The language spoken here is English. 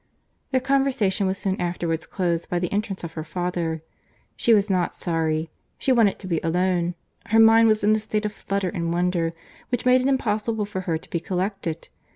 Their conversation was soon afterwards closed by the entrance of her father. She was not sorry. She wanted to be alone. Her mind was in a state of flutter and wonder, which made it impossible for her to be collected.